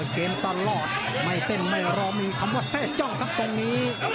เกมตลอดไม่เต้นไม่รอมีคำว่าแทร่จ้องครับตรงนี้